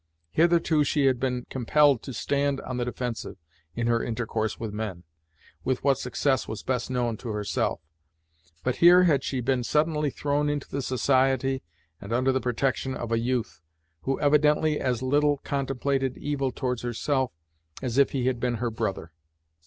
Hitherto she had been compelled to stand on the defensive in her intercourse with men, with what success was best known to herself, but here had she been suddenly thrown into the society and under the protection of a youth, who evidently as little contemplated evil towards herself as if he had been her brother.